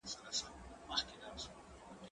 زه له سهاره لاس پرېولم.